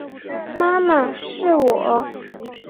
妈妈，是我